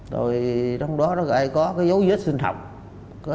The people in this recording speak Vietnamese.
rồi trong đó nó ai có cái dấu vết sinh học